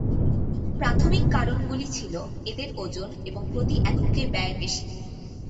প্রাথমিক কারণগুলি ছিল এদের ওজন এবং প্রতি এককে ব্যয় বেশি।